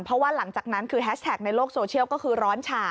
เพราะว่าหลังจากนั้นคือแฮชแท็กในโลกโซเชียลก็คือร้อนฉ่า